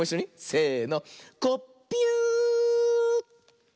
せの。